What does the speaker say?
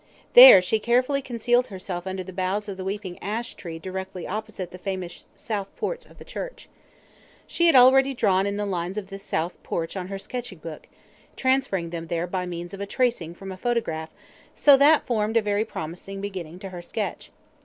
There she carefully concealed herself under the boughs of the weeping ash tree directly opposite the famous south porch of the church. She had already drawn in the lines of this south porch on her sketching block, transferring them there by means of a tracing from a photograph, so that formed a very promising beginning to her sketch.